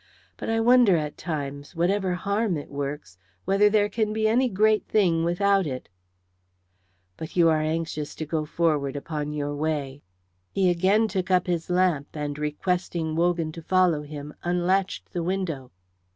But I wonder at times, whatever harm it works, whether there can be any great thing without it. But you are anxious to go forward upon your way." He again took up his lamp, and requesting Wogan to follow him, unlatched the window.